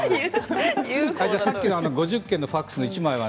５０件のファックスの１枚は。